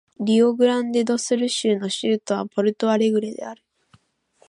リオグランデ・ド・スル州の州都はポルト・アレグレである